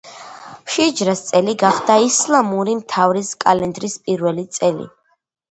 ჰიჯრას წელი გახდა ისლამური, მთვარის კალენდრის პირველი წელი.